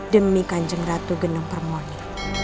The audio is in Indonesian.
demi kanjeng ratu genung permoni